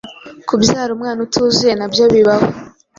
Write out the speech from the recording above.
kubyara umwana utuzuye nabyo bibaho